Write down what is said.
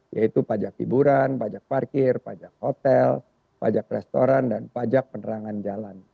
yaitu pajak hiburan pajak parkir pajak hotel pajak restoran dan pajak penerangan jalan